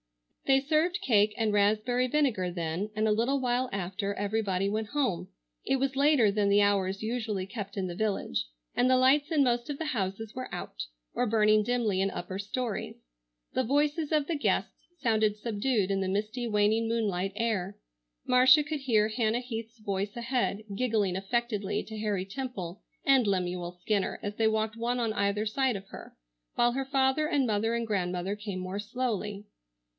They served cake and raspberry vinegar then, and a little while after everybody went home. It was later than the hours usually kept in the village, and the lights in most of the houses were out, or burning dimly in upper stories. The voices of the guests sounded subdued in the misty waning moonlight air. Marcia could hear Hannah Heath's voice ahead giggling affectedly to Harry Temple and Lemuel Skinner, as they walked one on either side of her, while her father and mother and grandmother came more slowly.